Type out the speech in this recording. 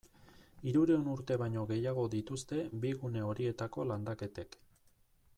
Hirurehun urte baino gehiago dituzte bi gune horietako landaketek.